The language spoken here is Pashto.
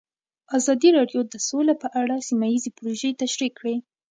ازادي راډیو د سوله په اړه سیمه ییزې پروژې تشریح کړې.